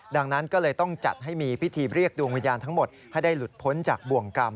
ดังนั้นก็เลยต้องจัดให้มีพิธีเรียกดวงวิญญาณทั้งหมดให้ได้หลุดพ้นจากบ่วงกรรม